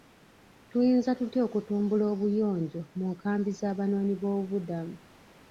Tuyinza tutya okutumbula obuyonjo mu nkambi z'abanoonyi b'obubuddamu?